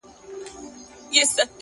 اخلاق د انسان ریښتینی لباس دی,